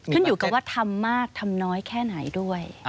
ขึ้นอยู่กับว่าทำมากทำน้อยแค่ไหนด้วย